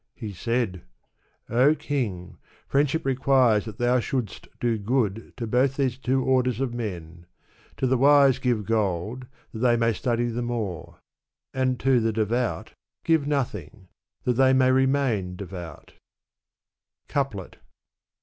He said, O king ! friend ship requires that thou shouldst do good to both these two orders of men — to the wise give gold, that they may study the more ; and to the devout give nothing, that they may remain devout" Couplet.